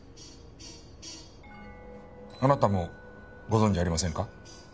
あなたもご存じありませんか？